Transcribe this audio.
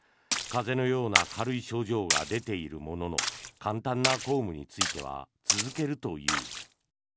風邪のような軽い症状が出ているものの簡単な公務については続けるという。